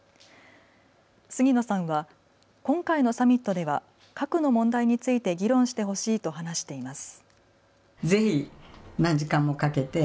杉野さんは今回のサミットでは核の問題について議論してほしいと話しています。